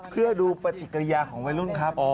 เพื่อดูปฏิกิริยาของวัยรุ่นครับ